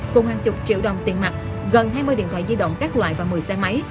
cùng hàng chục triệu đồng tiền mặt gần hai mươi điện thoại di động các loại và một mươi xe máy